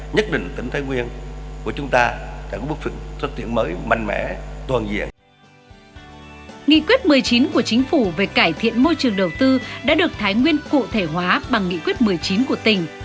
nghị quyết một mươi chín của chính phủ về cải thiện môi trường đầu tư đã được thái nguyên cụ thể hóa bằng nghị quyết một mươi chín của tỉnh